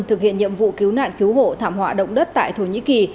thực hiện nhiệm vụ cứu nạn cứu hộ thảm họa động đất tại thổ nhĩ kỳ